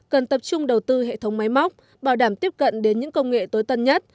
cần tập trung đầu tư hệ thống máy móc bảo đảm tiếp cận đến những công nghệ tối tân nhất